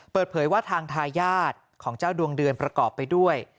เปิดเผยว่าทางทายาทของเจ้าดวงเดือนประกอบไปด้วย